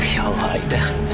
ya allah aida